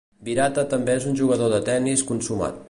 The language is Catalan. Virata també és un jugador de tenis consumat.